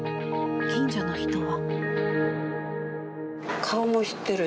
近所の人は。